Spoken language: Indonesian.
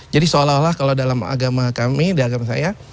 jadi seolah olah kalau dalam agama kami di agama saya